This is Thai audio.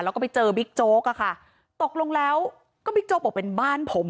แล้วก็ไปเจอบิ๊กโจ๊กอะค่ะตกลงแล้วก็บิ๊กโจ๊กบอกเป็นบ้านผม